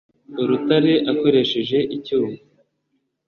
acukura urutare akoresheje icyuma,